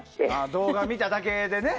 動画を見ただけでね。